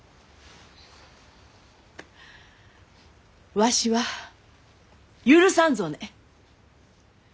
わしは許さんぞね。